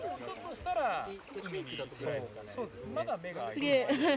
すげえ。